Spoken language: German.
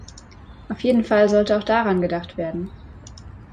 Auf jeden Fall sollte auch daran gedacht werden!